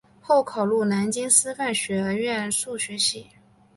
后考入南京师范学院数学系。